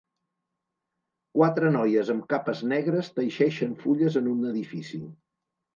Quatre noies amb capes negres teixeixen fulles en un edifici.